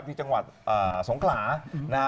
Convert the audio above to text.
ที่จังหวัดสงขลา